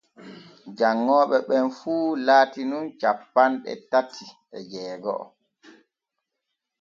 Janŋooɓe ɓen fu laati nun cappanɗe tati e jeego’o.